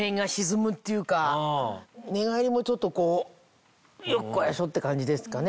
寝返りもちょっとこうよっこらしょって感じですかね。